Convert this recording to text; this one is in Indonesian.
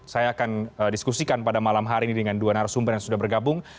saya akan diskusikan pada malam hari ini dengan dua narasumber yang sudah bergabung